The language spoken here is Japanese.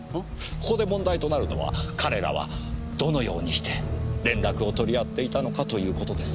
ここで問題となるのは彼らはどのようにして連絡を取り合っていたのかということです。